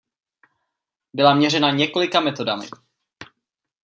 Byla měřena několika metodami.